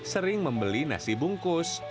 sering membeli nasi bungkus